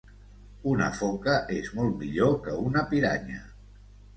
Una foca és molt millor que una piranya